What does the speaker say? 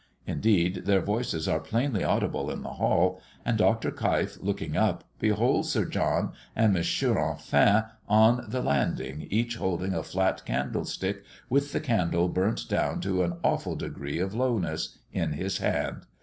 Indeed their voices are plainly audible in the hall, and Dr. Keif looking up, beholds Sir John and Mons. Enfin on the landing, each holding a flat candle stick with the candle burnt down to an awful degree of lowness, in his hand.